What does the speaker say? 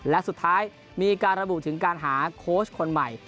และสุดท้ายมีการระบุถึงการหาโค้ชคนใหม่